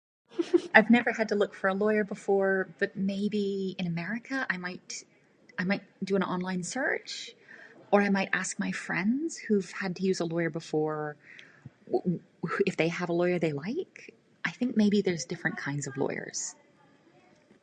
I have never had to look for a lawyer before, but maybe in America I might. I might do an online search, or I might ask my friends who've had to use a lawyer before. If they have a lawyer they like. I think maybe there is different kinds of lawyers.